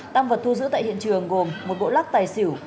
tăng vật thu giữ tại hiện trường gồm một bộ lắc tài xỉu